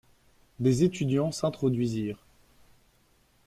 Des étudiants s'introduisirent.